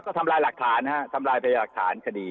ก็ทำลายหลักฐานฮะทำลายพยาหลักฐานคดี